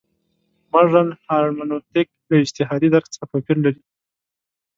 مډرن هرمنوتیک له اجتهادي درک څخه توپیر لري.